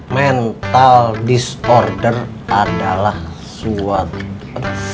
mental disorder adalah suatu